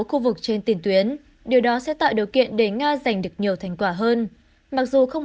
khu vực trên tiền tuyến điều đó sẽ tạo điều kiện để nga giành được nhiều thành quả hơn mặc dù không